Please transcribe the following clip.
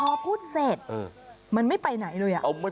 พอพูดเสร็จมันไม่ไปไหนเลย